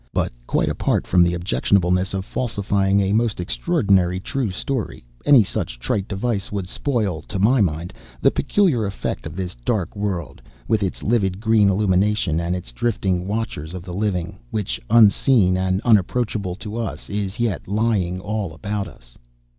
But, quite apart from the objectionableness of falsifying a most extraordinary true story, any such trite devices would spoil, to my mind, the peculiar effect of this dark world, with its livid green illumination and its drifting Watchers of the Living, which, unseen and unapproachable to us, is yet lying all about us.